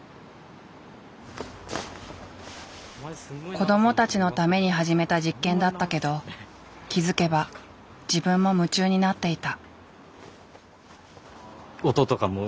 子供たちのために始めた実験だったけど気付けば自分も夢中になっていた。